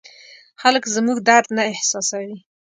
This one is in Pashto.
خلک زموږ درد نه احساسوي.